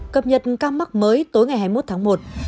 cập nhật ca mắc mới tối ngày hai mươi một tháng một